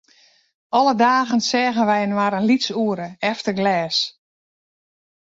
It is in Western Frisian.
Alle dagen seagen wy inoar in lyts oere, efter glês.